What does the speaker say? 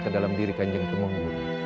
kedalam diri kanjeng kemung